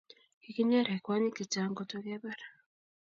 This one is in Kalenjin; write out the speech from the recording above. Kikinyeren kjwanyik che chang koto kebar